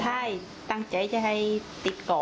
ใช่ตั้งใจจะให้ติดต่อ